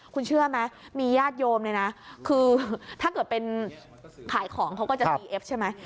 คุณเชื่อไหมมีญาติโยมเลยนะคือถ้าเกิดเป็นขายของเขาก็จะซีเอฟใช่ไหม